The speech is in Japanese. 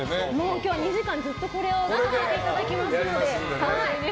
今日は２時間ずっとこれを着させていただきますので。